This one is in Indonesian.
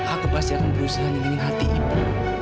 aku pasti akan berusaha menyeliding hati ibu